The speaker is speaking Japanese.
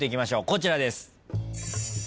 こちらです。